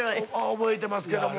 覚えてますけども。